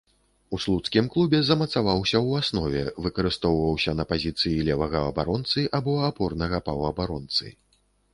У слуцкім клубе замацаваўся ў аснове, выкарыстоўваўся на пазіцыі левага абаронцы або апорнага паўабаронцы.